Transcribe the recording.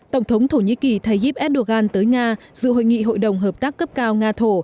tổng thống thổ nhĩ kỳ tayyip erdogan tới nga dự hội nghị hội đồng hợp tác cấp cao nga thổ